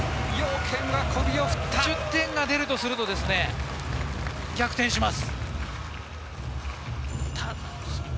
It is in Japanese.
１０点が出るとすれば逆転します。